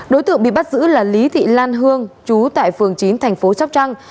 đối tượng bị bắt giữ là lý thị lan hương chú tại phường chín thành phố sóc trăng